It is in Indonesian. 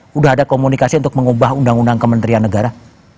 sudah ada komunikasi untuk mengubah undang undang kementerian negara